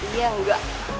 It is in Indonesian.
eh dia enggak